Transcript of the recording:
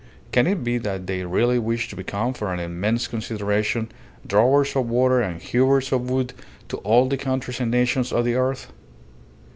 Can it be that they really wish to become, for an immense consideration, drawers of water and hewers of wood to all the countries and nations of the earth?"